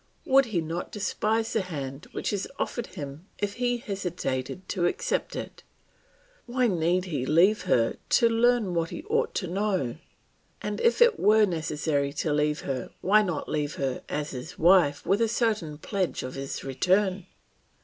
Would he not despise the hand which is offered him if he hesitated to accept it? Why need he leave her to learn what he ought to know? And if it were necessary to leave her why not leave her as his wife with a certain pledge of his return?